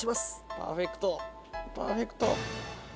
パーフェクトパーフェクト。